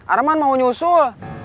arman mau nyusul